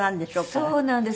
そうなんです。